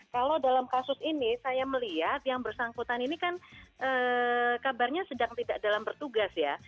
kalau dalam kasus ini saya melihat yang bersangkutan ini kan kabarnya sedang tidak dalam bertugas ya